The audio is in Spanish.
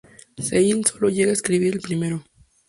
Schelling solo llegó a escribir el primero.